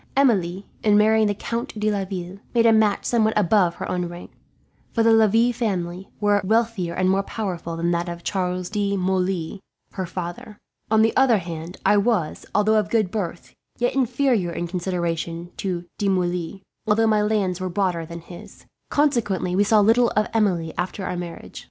"Emilie, in marrying the Count de Laville, made a match somewhat above her own rank; for the Lavilles were a wealthier and more powerful family than that of Charles de Moulins, her father. On the other hand, I was, although of good birth, yet inferior in consideration to De Moulins, although my lands were broader than his. Consequently we saw little of Emilie, after our marriage.